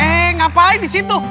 eh ngapain disitu